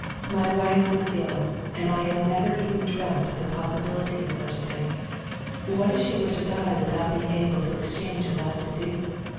My wife was ill, and I had never even dreamt of the possibility of such a thing. What if she were to die without being able to exchange a last adieu?